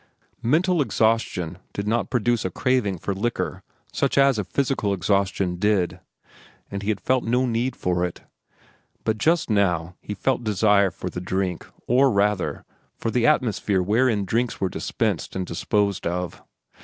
Mental exhaustion did not produce a craving for liquor such as physical exhaustion did, and he had felt no need for it. But just now he felt desire for the drink, or, rather, for the atmosphere wherein drinks were dispensed and disposed of.